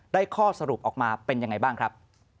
ข้อสรุปออกมาเป็นยังไงบ้างครับ